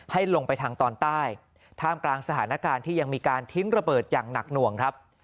ให้ลงไปทางตอนใต้ท่ามกลางสถานการณ์ที่ยังมีการทิ้งระเบิดอย่างหนักหน่วงครับ